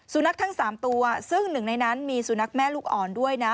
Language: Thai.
นักทั้ง๓ตัวซึ่งหนึ่งในนั้นมีสุนัขแม่ลูกอ่อนด้วยนะ